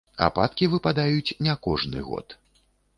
Ападкі выпадаюць не кожны год.